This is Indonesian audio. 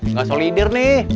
nggak solidir nih